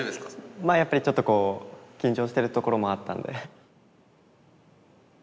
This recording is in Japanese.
まあやっぱりちょっとこう緊張してるところもあったんで。